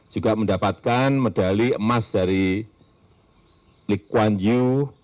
juga mendapatkan medali emas dari lee kuan yu